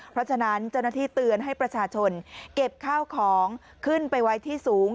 เพราะฉะนั้นเจ้าหน้าที่เตือนให้ประชาชนเก็บข้าวของขึ้นไปไว้ที่สูง